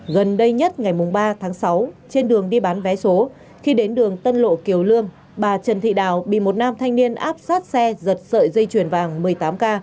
gần đây nhất ngày ba tháng sáu trên đường đi bán vé số khi đến đường tân lộ kiều lương bà trần thị đào bị một nam thanh niên áp sát xe giật sợi dây chuyền vàng một mươi tám k